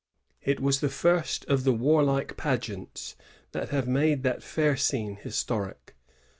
It was the first of the warlike pageants that have made that &ir scene historic.